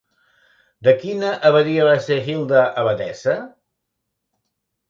De quina abadia va ser Hilda abadessa?